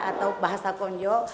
atau bahasa konjo